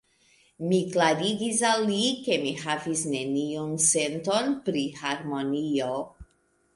Mi klarigis al li, ke mi havis neniun senton pri harmonio.